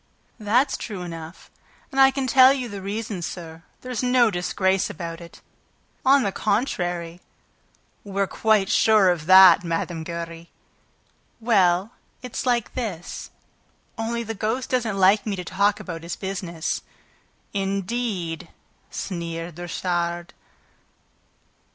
"That's true enough ... And I can tell you the reason, sir. There's no disgrace about it... on the contrary." "We're quite sure of that, Mme. Giry!" "Well, it's like this ... only the ghost doesn't like me to talk about his business." "Indeed?" sneered Richard.